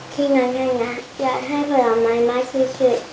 ที่น้ำห้างักอยากให้ผลไม้มากชิด